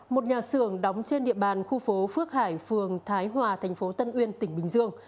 một nhà xưởng đóng trên địa bàn khu phố phước hải phường thái hòa thành phố tân uyên tỉnh bình dương